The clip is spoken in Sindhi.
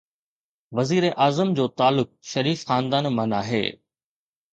وزيراعظم جو تعلق شريف خاندان مان ناهي.